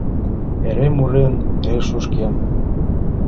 Эре мурен, эре шӱшкен